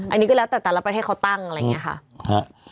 อันนี้ก็แล้วแต่แต่ละประเทศเขาตั้งอะไรอย่างนี้ค่ะ